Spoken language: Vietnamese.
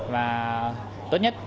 và tốt nhất